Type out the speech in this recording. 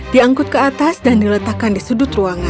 diangkut ke atas dan diletakkan di sudut ruangan